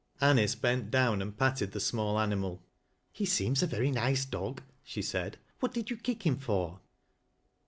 Anice tent down and patted the small animal. ' He seems a very nice dog," she said. " What did yoB kick him for